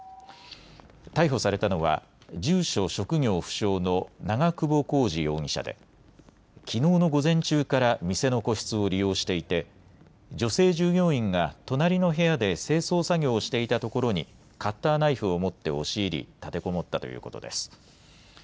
逮捕されたのは住所・職業不詳の長久保浩二容疑者できのうの午前中から店の個室を利用していて女性従業員が隣の部屋で清掃作業をしていたところにカッターナイフを持って押し入り、立てこもったということです。